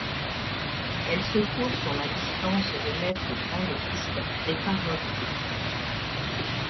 Elle se court sur la distance de mètres grande piste, départ volté.